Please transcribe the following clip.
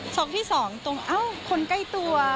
ช็อคที่สองตรงคนใกล้ตัว